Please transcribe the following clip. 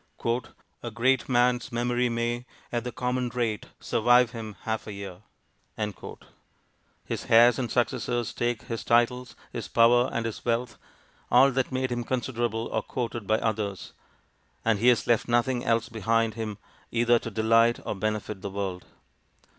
'A great man's memory may, at the common rate, survive him half a year.' His heirs and successors take his titles, his power, and his wealth all that made him considerable or courted by others; and he has left nothing else behind him either to delight or benefit the world.